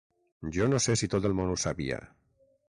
Jo no sé si tot el món ho sabia.